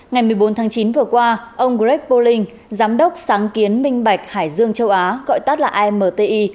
ngày một mươi bốn tháng chín vừa qua ông greg bolling giám đốc sáng kiến minh bạch hải dương châu á gọi tắt là imti